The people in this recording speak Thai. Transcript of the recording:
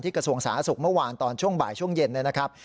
กระทรวงสาธารณสุขเมื่อวานตอนช่วงบ่ายช่วงเย็นนะครับ